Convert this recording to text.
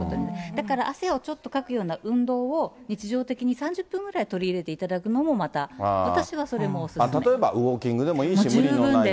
だから汗をちょっとかくような運動を日常的に３０分ぐらい取り入れていただくのも、また、例えばウォーキングでもいい十分です。